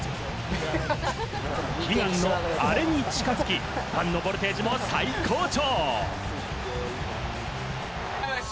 悲願のアレに近づき、ファンのボルテージも最高潮！